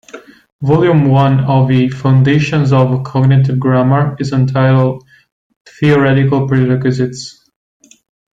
Volume one of the "Foundations of Cognitive Grammar" is entitled "Theoretical Prerequisites".